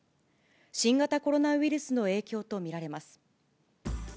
新型コロナウイルスの影響と見られます。